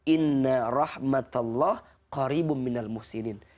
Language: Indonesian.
inna rahmatallah qaribu minal muhsinin